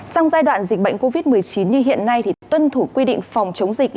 trong giai đoạn dịch bệnh covid một mươi chín như hiện nay thì tuân thủ quy định phòng chống dịch